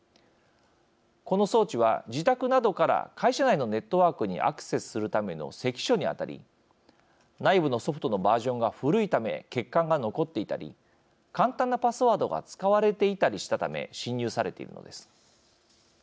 この装置は、自宅などから会社内のネットワークにアクセスするための関所にあたり内部のソフトのバージョンが古いため欠陥が残っていたり簡単なパスワードが使われていたりしたため侵入されているのです。